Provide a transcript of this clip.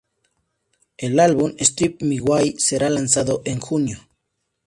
El álbum "Strip Me Away" será lanzado en junio.